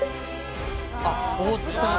あっ大槻さん